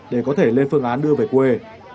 để có thể lên phương án đưa về quê